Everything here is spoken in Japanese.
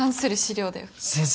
先生